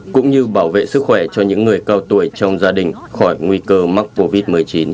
cũng như bảo vệ sức khỏe cho những người cao tuổi trong gia đình khỏi nguy cơ mắc covid một mươi chín